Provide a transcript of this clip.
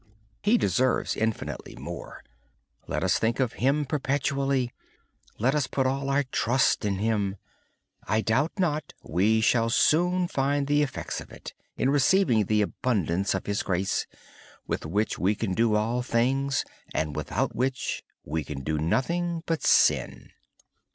He deserves infinitely more. Let us think of Him perpetually. Let us put all our trust in Him. I have no doubt that we shall soon receive an abundance of His grace, with which we can do all things, and, without which we can do nothing but sin.